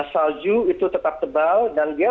salju itu tetap tebal dan dia